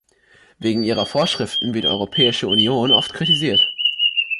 Wegen ihrer Vorschriften wird Europäische Union oft kritisiert.